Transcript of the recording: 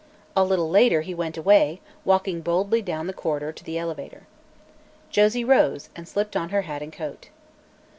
A little later he went away, walking boldly down the corridor to the elevator. Josie rose and slipped on her hat and coat.